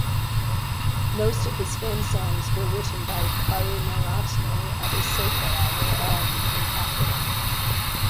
Most of his film songs were written by Karunaratne Abeysekera where all became popular.